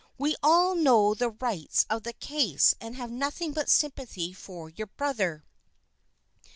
We all know the rights of the case and have nothing but sympathy for your brother."